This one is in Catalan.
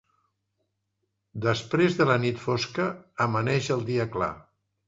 Després de la nit fosca amaneix el dia clar.